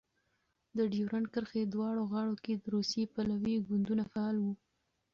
د ډیورند کرښې دواړو غاړو کې روسي پلوی ګوندونه فعال وو.